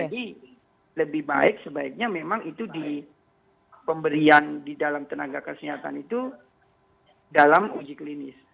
jadi lebih baik sebaiknya memang itu di pemberian di dalam tenaga kesehatan itu dalam uji klinis